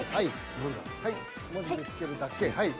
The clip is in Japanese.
文字見つけるだけはい。